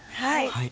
はい。